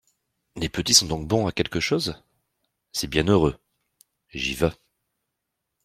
Les petits sont donc bons à quelque chose ! c'est bien heureux ! J'y vas.